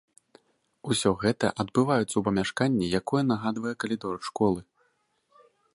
Усё гэта адбываецца ў памяшканні, якое нагадвае калідор школы.